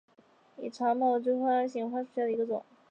拟长毛锥花为唇形科锥花属下的一个种。